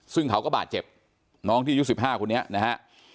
ซึ่งเขาก็บาดเจ็บน้องที่อายุ๑๕คนนี้นะฮะ